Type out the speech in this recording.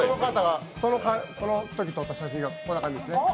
そのとき撮った写真がこんな感じですね。